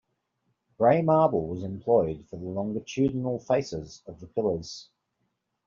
Grey marble was employed for the longitudinal faces of the pillars.